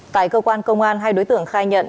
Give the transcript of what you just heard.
tại cơ quan công an hai đối tượng khai nhận